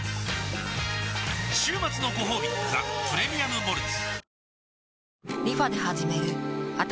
週末のごほうび「ザ・プレミアム・モルツ」